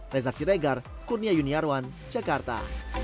reza siregar kurnia yuniarwan jakarta